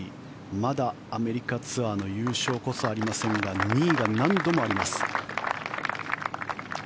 まだアメリカツアーの優勝こそありませんが２位が何度もあります。